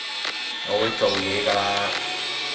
我會做嘢㗎喇